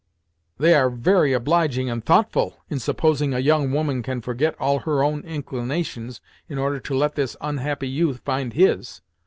"They are very obliging and thoughtful, in supposing a young woman can forget all her own inclinations in order to let this unhappy youth find his!"